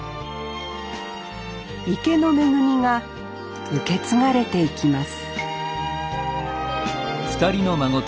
池の恵みが受け継がれていきます